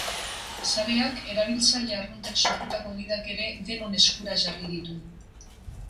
Sareak erabiltzaile arruntek sortutako gidak ere denon eskura jarri ditu.